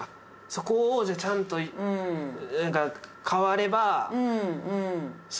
そこをじゃあちゃんとなんか。